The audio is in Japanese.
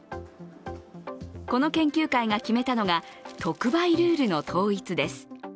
この研究会が決めたのが特売ルールの統一です。